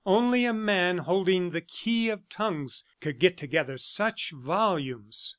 Only a man holding the key of tongues could get together such volumes.